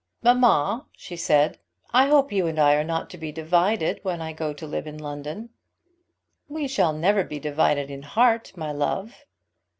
"Mamma," she said, "I hope you and I are not to be divided when I go to live in London." "We shall never be divided in heart, my love."